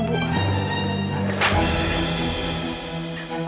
tidak tahu ke mana bu